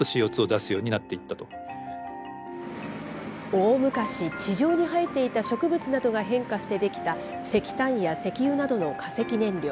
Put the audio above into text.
大昔、地上に生えていた植物などが変化して出来た石炭や石油などの化石燃料。